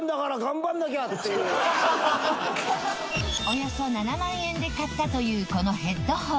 およそ７万円で買ったというこのヘッドホン。